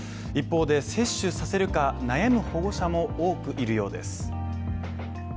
一方で接種させるか悩む保護者も多くいるようです。